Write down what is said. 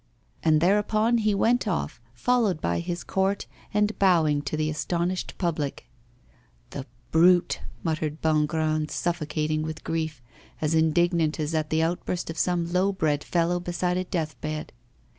And thereupon he went off, followed by his court and bowing to the astonished public. 'The brute!' muttered Bongrand, suffocating with grief, as indignant as at the outburst of some low bred fellow beside a deathbed.